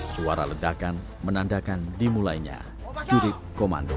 suara ledakan menandakan dimulainya jurid komando